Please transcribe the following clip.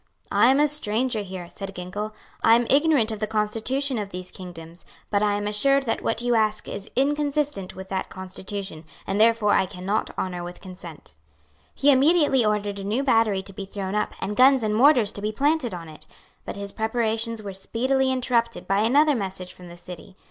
"I am a stranger here," said Ginkell; "I am ignorant of the constitution of these kingdoms; but I am assured that what you ask is inconsistent with that constitution; and therefore I cannot with honour consent." He immediately ordered a new battery to be thrown up, and guns and mortars to be planted on it. But his preparations were speedily interrupted by another message from the city.